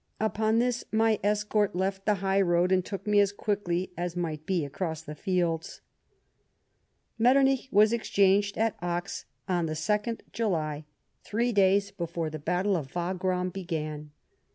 Upon this, my escort left the high road, and took me as quickly as might be across the fields." Metternich was exchanged at Acs on the 2nd July, three days before the battle of Wagram began.